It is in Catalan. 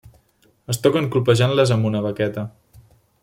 Es toquen colpejant-les amb una baqueta.